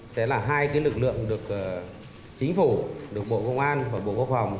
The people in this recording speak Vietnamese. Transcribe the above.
sẽ là hai lực lượng được chính phủ được bộ công an và bộ quốc phòng